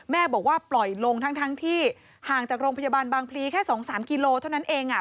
แม่บอกว่าปล่อยลงทั้งที่ห่างจากโรงพยาบาลบางพลีแค่๒๓กิโลเท่านั้นเอง